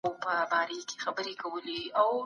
د ارغنداب سیند پر غاړه د لارو جوړول پلان سوي دي.